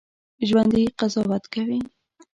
ژوندي قضاوت کوي